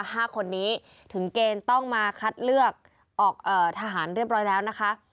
ห้าคนนี้ถึงเกณฑ์ต้องมาคัดเลือกออกเอ่อทหารเรียบร้อยแล้วนะคะ